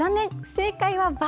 正解は×。